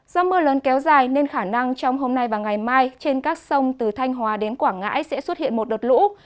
do mưa lớn kéo dài nên khả năng trong hôm nay và ngày mai trên các sông từ thanh hóa đến quảng ngãi sẽ xuất hiện một đợt lũ